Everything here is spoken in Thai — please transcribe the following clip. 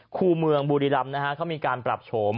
คู่เมืองบุรีรำนะฮะเขามีการปรับโฉม